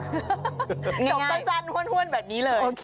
จบสั้นห้วนแบบนี้เลย